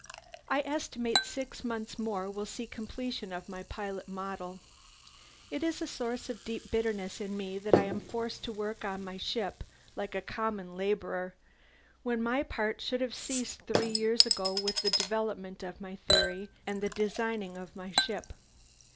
I estimate six months more will see completion of my pilot model. It is a source of deep bitterness in me that I am forced to work on my ship like a common laborer, when my part should have ceased three years ago with the development of my theory and the designing of my ship.